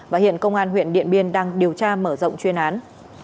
và hiện công an huyện điện biên đang điều tra mở rộng chuyên án